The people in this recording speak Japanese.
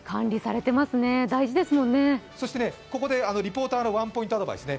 そしてここでリポーターのワンポイントアドバイスです。